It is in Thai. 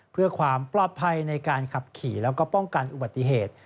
เพื่อความปลอดภัยในการขับขี่แล้วก็ป้องกันอุบัติเหตุ